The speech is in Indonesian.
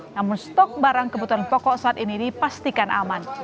namun stok barang kebutuhan pokok saat ini dipastikan aman